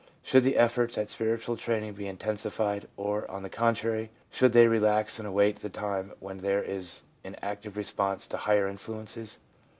Should the efforts at spiritual training be intensified, or, on the contrary, should they relax and await the time when there is an active response to higher influences